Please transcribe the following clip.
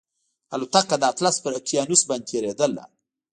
الوتکه د اطلس پر اقیانوس باندې تېرېدله